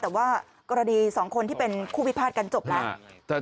แต่ว่ากรณี๒คนที่เป็นคู่พิพาทกันจบแล้ว